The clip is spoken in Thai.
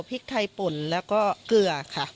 พริกไทยป่นแล้วก็เกลือค่ะ